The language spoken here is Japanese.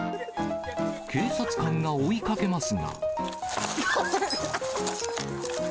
警察官が追いかけますが。